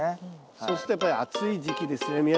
そうするとやっぱり暑い時期ですね宮崎はねまだね。